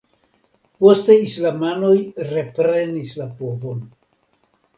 Poste islamanoj reprenis la povon.